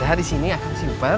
ada di sini akan simpan